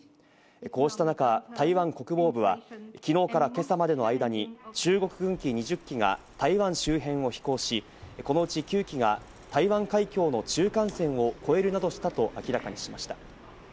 こうした中、台湾国防部は昨日から今朝までの間に中国軍機２０機が台湾周辺を飛行し、このうち９機が台湾海峡の中間線を越えるなどしたと明らかにしました。